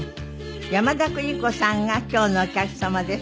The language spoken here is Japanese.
山田邦子さんが今日のお客様です。